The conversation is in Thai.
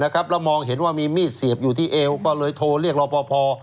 แล้วมองเห็นว่ามีมีดเสียบอยู่ที่เอวก็เลยโทรเรียกรอปภ